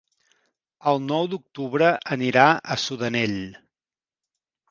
El nou d'octubre anirà a Sudanell.